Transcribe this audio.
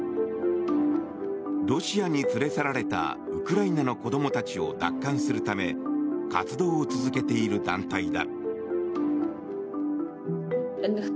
ロシアに連れ去られたウクライナの子供たちを奪還するため活動を続けている団体だ。